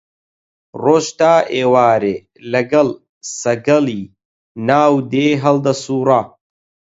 ڕۆژ تا ئێوارێ لەگەڵ سەگەلی ناو دێ هەڵدەسووڕا